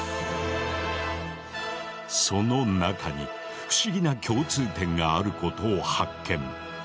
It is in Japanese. その中に不思議な共通点があることを発見。